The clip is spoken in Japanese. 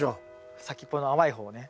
先っぽの甘いほうをね。